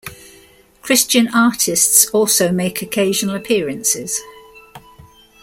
Christian artists also make occasional appearances.